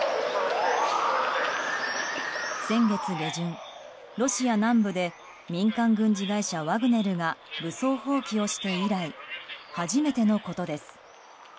先月下旬、ロシア南部で民間軍事会社ワグネルが武装蜂起をして以来初めてのことです。